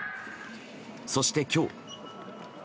そして今日。